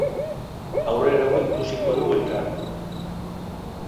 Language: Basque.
Aurrerago ikusiko dugu elkar.